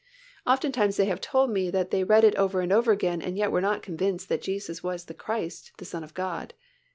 Oftentimes they have told me they have read it over and over again, and yet were not convinced that Jesus was the Christ, the Son of God.